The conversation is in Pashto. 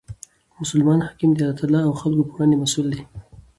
مسلمان حاکم د الله تعالی او خلکو په وړاندي مسئول يي.